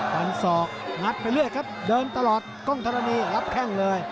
ฟันศอกงัดไปเรื่อยครับเดินตลอดกล้องธรณีรับแข้งเลย